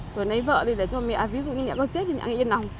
vừa nấy vợ đi để cho mẹ ví dụ như mẹ con chết thì mẹ nghe yên lòng